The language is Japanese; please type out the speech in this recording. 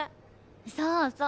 そうそう。